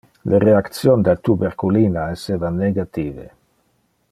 Le reaction del tuberculina esseva negative.